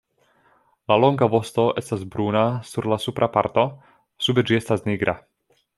La longa vosto estas bruna sur la supra parto, sube ĝi estas nigra.